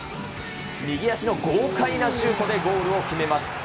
右足の豪快なシュートでゴールを決めます。